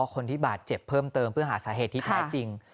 คนที่บาดเจ็บเพิ่มเติมเพื่อหาสาเหตุที่แท้จริง